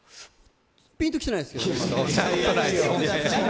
ピンときてないですけどね。